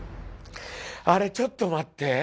あれ、ちょっと待って。